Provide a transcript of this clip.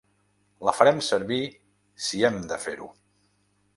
La farem servir si hem de fer-ho.